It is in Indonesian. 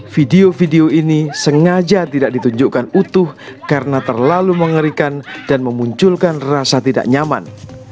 video video ini sengaja tidak ditunjukkan utuh karena terlalu mengerikan dan memunculkan rasa tidak nyaman